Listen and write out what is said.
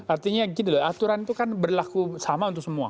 artinya gini loh aturan itu kan berlaku sama untuk semua